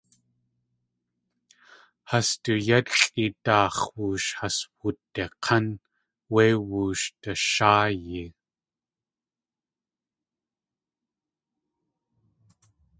Has du yátxʼi daax̲ woosh has wudik̲án wé woosh dasháayi.